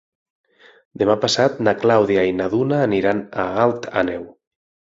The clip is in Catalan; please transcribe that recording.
Demà passat na Clàudia i na Duna aniran a Alt Àneu.